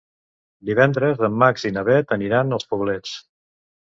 Divendres en Max i na Bet aniran als Poblets.